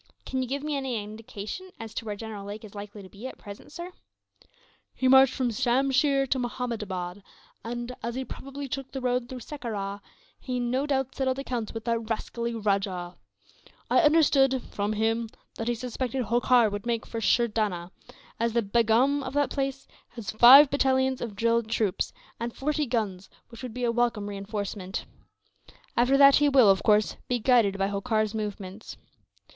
"Can you give me any indication as to where General Lake is likely to be, at present, sir?" "He marched from Shamsheer to Mahomedabad and, as he probably took the road through Sekerah, he no doubt settled accounts with that rascally rajah. I understood, from him, that he suspected Holkar would make for Sherdanah; as the Begum of that place has five battalions of drilled troops, and forty guns, which would be a welcome reinforcement. After that he will, of course, be guided by Holkar's movements.